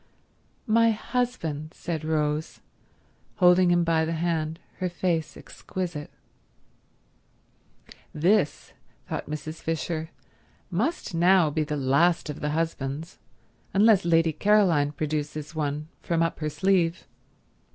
"My husband," said Rose, holding him by the hand, her face exquisite. "This," thought Mrs. Fisher, "must now be the last of the husbands, unless Lady Caroline produces one from up her sleeve."